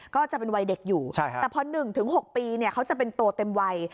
ก็จะเป็นวัยเด็กอยู่แต่พอ๑๖ปีเขาจะเป็นโตเต็มวัย